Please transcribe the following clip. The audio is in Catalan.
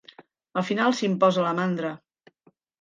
Al final s'imposa la mandra.